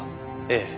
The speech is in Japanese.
ええ。